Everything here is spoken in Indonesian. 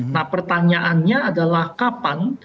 nah pertanyaannya adalah kapan